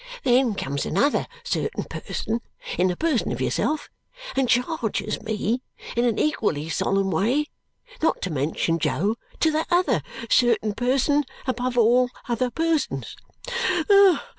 Then comes another certain person, in the person of yourself, and charges me, in an equally solemn way, not to mention Jo to that other certain person above all other persons.